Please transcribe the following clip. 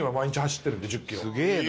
「すげえな！」